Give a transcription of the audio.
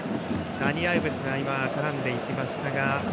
ダニ・アウベスが絡んでいきましたが。